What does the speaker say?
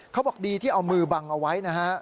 เขาบอกดีที่เอามือบังเอาไว้นะฮะ